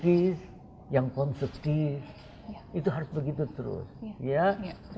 itu itu hal buksbel service